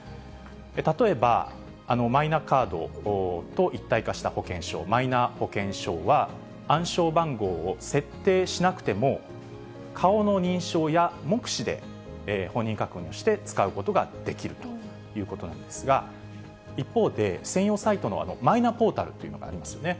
例えばマイナカードと一体化した保険証、マイナ保険証は、暗証番号を設定しなくても、顔の認証や目視で本人確認をして使うことができるということなんですが、一方で、専用サイトのマイナポータルというのがありますよね。